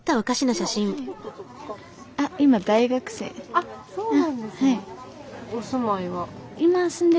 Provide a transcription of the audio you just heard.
あっそうなんですね。